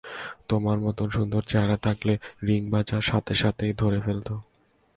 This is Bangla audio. তোমার মতন সুন্দর চেহারা থাকলে, রিং বাজার সাথে সাথেই ধরে ফেলত।